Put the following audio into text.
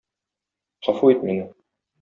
Гафу ит мине.